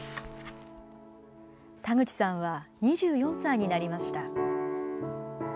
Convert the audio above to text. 田口さんは２４歳になりました。